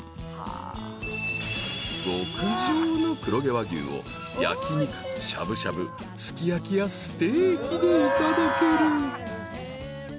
［極上の黒毛和牛を焼き肉しゃぶしゃぶすき焼きやステーキでいただける］